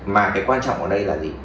mà cái quan trọng ở đây là gì